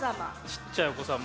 ちっちゃいお子さんもね